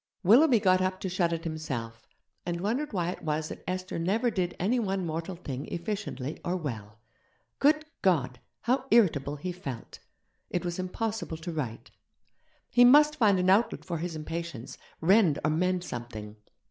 Willoughby got up to shut it himself, and wondered why it was that Esther never did any one mortal thing efficiently or well. Good God! how irritable he felt. It was impossible to write. He must find an outlet for his impatience, rend or mend something.